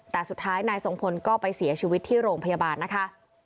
แต่สุดท้ายนายทรงพลก็ไปเสียชีวิตที่โรงพยาบาลนะคะ